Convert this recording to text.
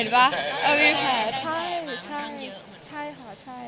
คะแล้วก็มีแผล